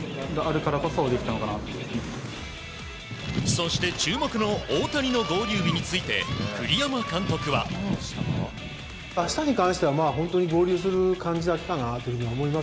そして注目の大谷の合流日について栗山監督は。明日の合流を明言。